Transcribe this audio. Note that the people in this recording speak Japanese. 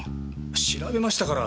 調べましたから。